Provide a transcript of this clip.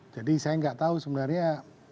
jadi saya enggak tahu sebenarnya